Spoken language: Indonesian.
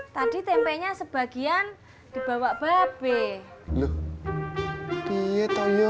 tadi tempenya sebagian dibawa babe